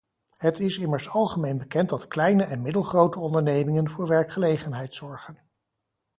Het is immers algemeen bekend dat kleine en middelgrote ondernemingen voor werkgelegenheid zorgen.